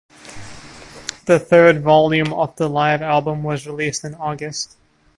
The third volume of the live album was released in August.